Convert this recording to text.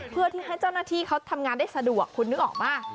เพื่อที่ให้เจ้าหน้าที่เขาทำงานได้สะดวกคุณนึกออกป่ะ